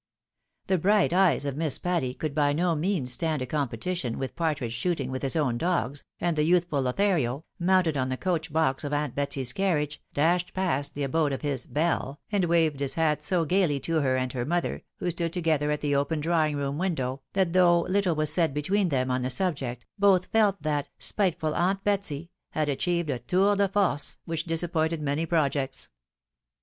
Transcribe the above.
The bright eyes of Miss Patty could by no means stand a competition with par tridge shootipg with his own dogs, and the youthful Lothario, mounted on the coach box of aunt Betsy's carriage, dashed past the abode of his ielle, and waved his hat so gaily to her and her mother, who stood together at the open drawing room window, that though little was said between them on the sub ject, both felt that "spiteful aunt Betsy" had achieved a ioar de force, which disappointed many projects.